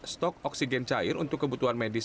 stok oksigen cair untuk kebutuhan medis